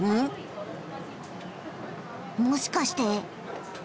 もしかして。